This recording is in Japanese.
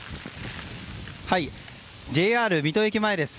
ＪＲ水戸駅前です。